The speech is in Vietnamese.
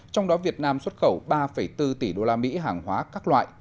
trong đó việt nam xuất khẩu ba bốn tỷ đô la mỹ hàng hóa các loại